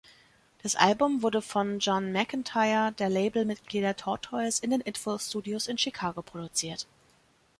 Das Album wurde von John McEntire der Labelmitglieder Tortoise in den Idful Studios in Chicago produziert.